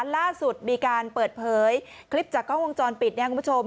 ล่าสุดมีการเปิดเผยคลิปจากกล้องวงจรปิดนะครับคุณผู้ชม